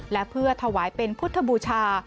และเพื่อถวายเป็นพุทธบูชา